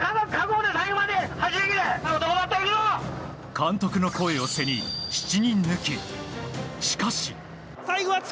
監督の声を背に７人抜き、しかし。